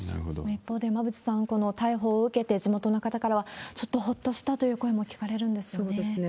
一方で馬渕さん、この逮捕を受け、地元の方からはちょっとほっとしたという声も聞かれるんですよね。